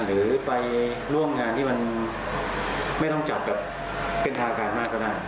หรือไปร่วมงานที่มันไม่ต้องจัดแบบเป็นทางการมากก็ได้